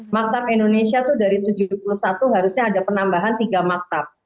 maktab indonesia itu dari tujuh puluh satu harusnya ada penambahan tiga maktab